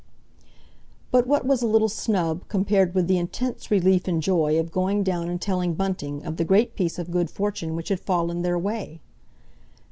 But what was a little snub compared with the intense relief and joy of going down and telling Bunting of the great piece of good fortune which had fallen their way?